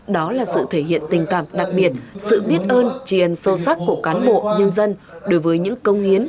đó là sự thể hiện tình cảm đặc biệt sự biết ơn triền sâu sắc của cán bộ nhân dân đối với những công hiến